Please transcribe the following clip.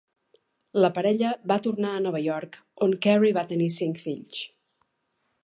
La parella va tornar a Nova York, on Carrie va tenir cinc fills.